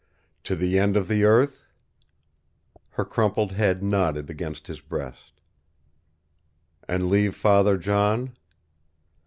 "To the end of the earth?" Her crumpled head nodded against his breast. "And leave Father John?"